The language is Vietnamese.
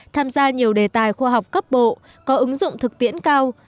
tham gia nhiều đề tài khoa học cấp bộ có ứng dụng thực tiễn cao